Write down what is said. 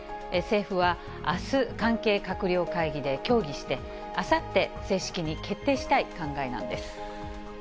政府は、あす関係閣僚会議で協議して、あさって正式に決定したい考えなんです。